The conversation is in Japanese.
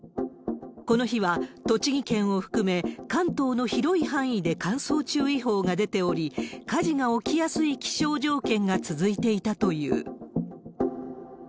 この日は栃木県を含め、関東の広い範囲で乾燥注意報が出ており、火事が起きやすい気象条件が続いていたという。